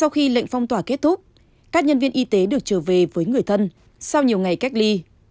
sau khi lệnh phong tỏa kết thúc các nhân viên y tế được trở về với người thân sau nhiều ngày cách ly